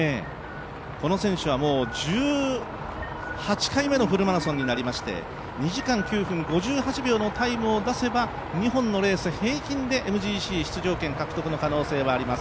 この選手は１８回目のフルマラソンで２時間５９分８秒のタイムを出せば２本平均でＭＧＣ出場権獲得の可能性があります